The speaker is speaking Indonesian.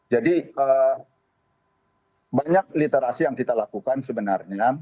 jadi banyak literasi yang kita lakukan sebenarnya